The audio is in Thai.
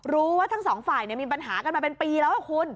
รู้ว่าทั้งสองฝ่ายมีปัญหากันมาเป็นปีแล้วคุณ